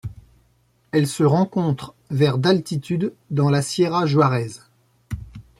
Elle se rencontre vers d'altitude dans la Sierra Juárez.